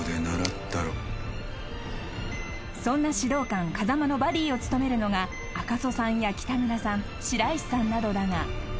［そんな指導官風間のバディを務めるのが赤楚さんや北村さん白石さんなどだが］